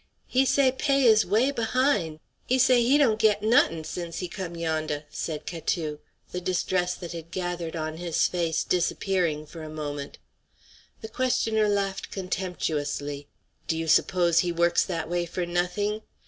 _" "He say pay is way behine. He say he don't get not'in' since he come yondeh," said Catou, the distress that had gathered on his face disappearing for a moment. The questioner laughed contemptuously. "Do you suppose he works that way for nothing?